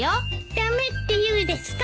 駄目って言うですか？